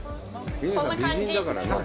こんな感じ。